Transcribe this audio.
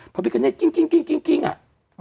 พระพิกณรศน์กิ้งกิ้งอะ